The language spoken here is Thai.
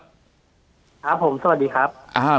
ครับผมสวัสดีครับ